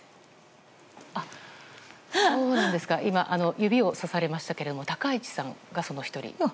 そうなんですか、今、指をさされましたけど、高市さんがその１人？